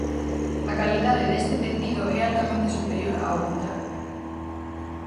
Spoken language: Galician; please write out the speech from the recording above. A calidade deste tecido é altamente superior á outra.